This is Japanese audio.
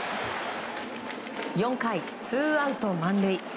４回、ツーアウト満塁。